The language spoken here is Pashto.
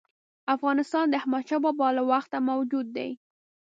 افغانستان د احمدشاه بابا له وخته موجود دی.